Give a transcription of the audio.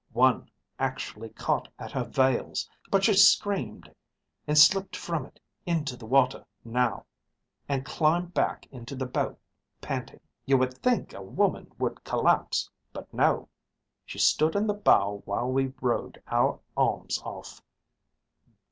One actually caught at her veils, but she screamed and slipped from it into the water now, and climbed back into the boat, panting. You would think a woman would collapse, but no. She stood in the bow while we rowed our arms off.